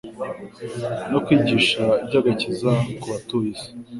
no kwigisha iby’agakiza ku batuye isi